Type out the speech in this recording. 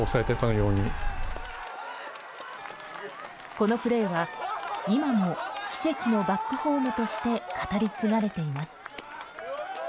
このプレーは、今も奇跡のバックホームとして語り継がれています。